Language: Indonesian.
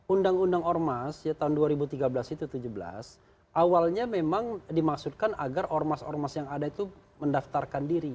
undang undang ormas tahun dua ribu tiga belas itu tujuh belas awalnya memang dimaksudkan agar ormas ormas yang ada itu mendaftarkan diri